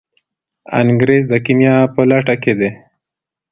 انګریز د کیمیا په لټه کې دی.